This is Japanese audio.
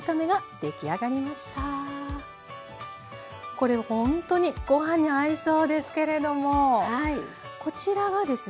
これほんとにご飯に合いそうですけれどもこちらはですね